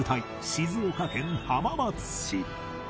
静岡県浜松市